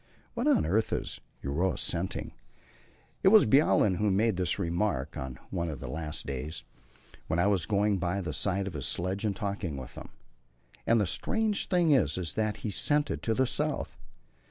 "What on earth is Uroa scenting?" It was Bjaaland who made this remark, on one of these last days, when I was going by the side of his sledge and talking to him. "And the strange thing is that he's scenting to the south.